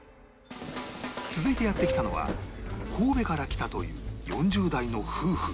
続いてやって来たのは神戸から来たという４０代の夫婦